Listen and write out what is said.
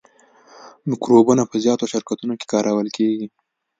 مکروبونه په زیاتو شرکتونو کې کارول کیږي.